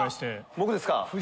僕ですか！